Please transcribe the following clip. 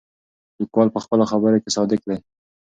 لیکوال په خپلو خبرو کې صادق دی.